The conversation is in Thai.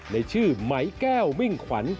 ในชื่อไหมแก้วมิ่งขวัญ